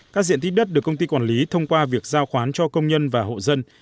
các diện tích đất được công ty quản lý thông qua việc giao khoán cho công nhân và hộ dân